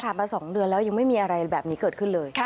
มา๒เดือนแล้วยังไม่มีอะไรแบบนี้เกิดขึ้นเลย